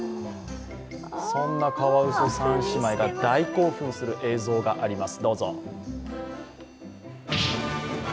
そんなカワウソ３姉妹が大興奮する映像があります、どうぞ。